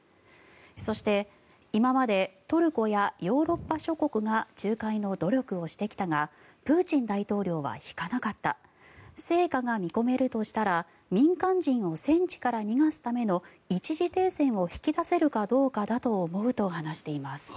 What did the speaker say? そして、今までトルコやヨーロッパ諸国が仲介の努力をしてきたがプーチン大統領は引かなかった成果が見込めるとしたら民間人を戦地から逃がすための一時停戦を引き出せるかどうかだと思うと話しています。